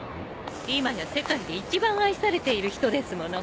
今や世界で一番愛されている人ですもの。